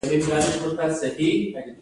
اوس موږ مېز او کاچوغې لرو خو آداب نه لرو.